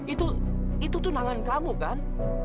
itu itu tunangan kamu kan